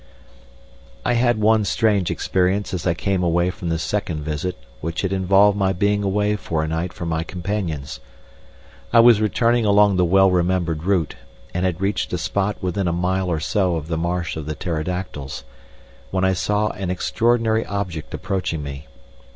I had one strange experience as I came from this second visit which had involved my being away for a night from my companions. I was returning along the well remembered route, and had reached a spot within a mile or so of the marsh of the pterodactyls, when I saw an extraordinary object approaching me.